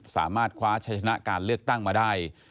สามารถคว้าชัยชนะการเลือกตั้งมาได้